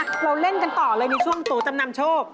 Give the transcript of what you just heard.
เราเล่นกันต่อเลยในช่วงตัวจำนำโชค